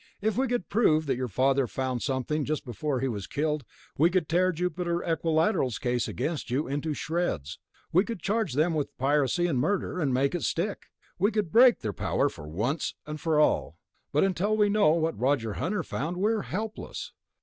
If we could prove that your father found something just before he was killed, we could tear Jupiter Equilateral's case against you into shreds. We could charge them with piracy and murder, and make it stick. We could break their power once and for all ... but until we know what Roger Hunter found, we're helpless.